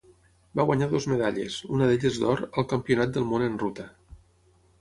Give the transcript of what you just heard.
Va guanyar dues medalles, una d'elles d'or, al Campionat del Món en ruta.